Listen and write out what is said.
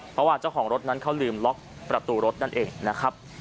เพราะว่าเจ้าของรถนั้นเขาลืมล็อกประตูรถนั่นเองนะครับ